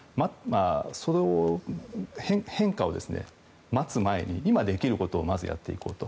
その変化を待つ前に今できることをまずやっていこうと。